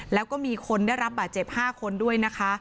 แล้วก็มีคนได้รับบาดเจ็บ๕คนด้วยนะคะ